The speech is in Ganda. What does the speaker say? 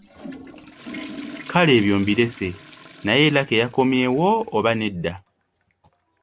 Kale ebyo mbirese naye Lucky yakomyewo oba nedda?